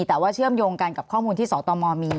แต่ว่าเชื่อมโยงกันกับข้อมูลที่สตมมี